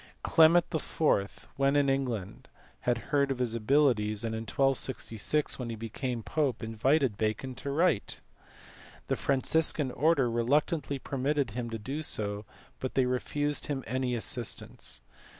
Clement IV. when in England had heard of his abilities, and in 1266 when he became pope he invited Bacon to write. The Franciscan order reluctantly permitted him to do so, but they refused him any assistance.